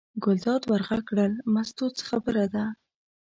ګلداد ور غږ کړل: مستو څه خبره ده.